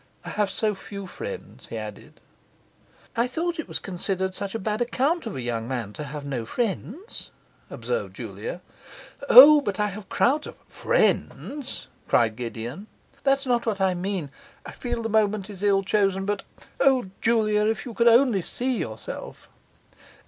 I have so few friends,' he added. 'I thought it was considered such a bad account of a young man to have no friends,' observed Julia. 'O, but I have crowds of FRIENDS!' cried Gideon. 'That's not what I mean. I feel the moment is ill chosen; but O, Julia, if you could only see yourself!